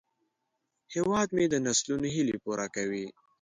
هیواد مې د نسلونو هیلې پوره کوي